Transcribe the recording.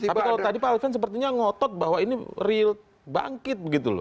tapi kalau tadi pak alvin sepertinya ngotot bahwa ini real bangkit begitu loh